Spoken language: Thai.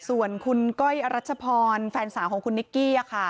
ส่วนคุณก้อยอรัชพรแฟนสาวของคุณนิกกี้ค่ะ